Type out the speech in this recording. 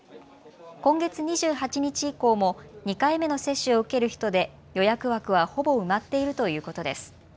今月２８日以降も２回目の接種を受ける人で予約枠はほぼ埋まっているということです。